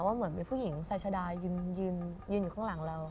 ว่าคือผู้หญิงใชดชดายินอยู่ข้างหลังเรา